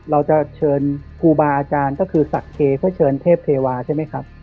เราจะเชิญครูบาอาจารย์ก็คือศักดิ์เคเพื่อเชิญเทพเทวาใช่ไหมครับ